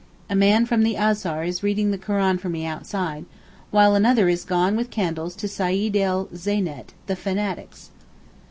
A man from the Azhar is reading the Koran for me outside—while another is gone with candles to Seyeedele Zeynet 'the fanatics!